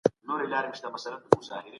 آیا تاسو د ټولنیزو نهادونو په تعریف پوهیږئ؟